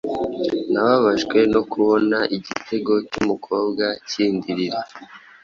nababajwe no kubona igitego cy'umukobwa kindirira